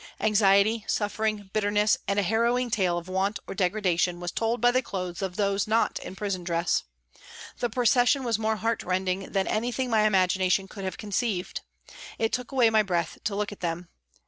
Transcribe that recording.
Anxiety, suffering, bitterness, and a harrowing tale of want or degradation was told by the clothes of those not in prison dress. The procession was more heartrending than anything my imagination could have conceived ; it took away my breath to look at them.